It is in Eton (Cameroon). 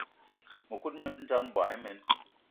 Mëkudgë mendjang, mboigi imen.